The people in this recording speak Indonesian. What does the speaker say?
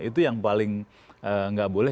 itu yang paling nggak boleh